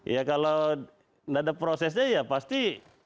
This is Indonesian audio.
ya kalau nggak ada prosesnya ya pasti